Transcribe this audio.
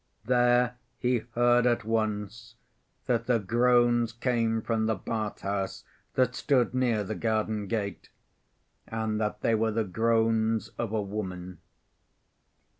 There he heard at once that the groans came from the bath‐house that stood near the garden gate, and that they were the groans of a woman.